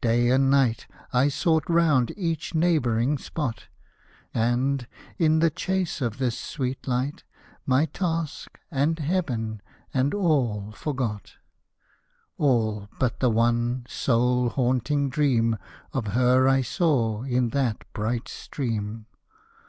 Day and night I sought around each neighbouring spot ; And, in the chase of this sweet light, My task, and heaven, and all forgot, — All, but the one, sole, haunting dream Of her I saw in that bright stream.